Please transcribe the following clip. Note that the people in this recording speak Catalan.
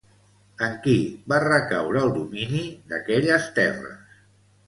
En qui va recaure el domini d'aquelles terres?